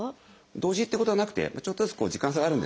同時ってことはなくてちょっとずつ時間差があるんですね。